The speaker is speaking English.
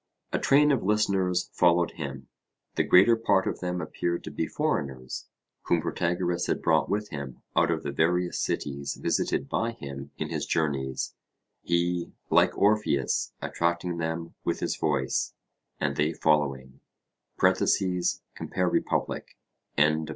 A train of listeners followed him; the greater part of them appeared to be foreigners, whom Protagoras had brought with him out of the various cities visited by him in his journeys, he, like Orpheus, attracting them his voice, and they following (Compare Rep.).